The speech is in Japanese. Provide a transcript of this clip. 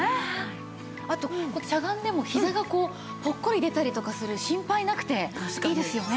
あとこうやってしゃがんでもひざがぽっこり出たりとかする心配なくていいですよね。